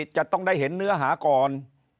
จะต้องได้เห็นเนื้อหาก่อน